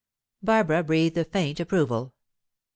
Barbara breathed a faint approval.